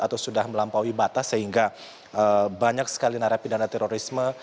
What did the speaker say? atau sudah melampaui batas sehingga banyak sekali narapidana terorisme